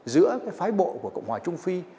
giữa cái phái bộ của cộng hòa trung phi